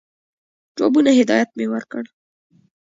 جوابونو هدایت مي ورکړ.